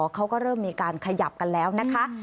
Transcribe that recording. เขาก็เริ่มมีการขยับกันแล้วนะคะ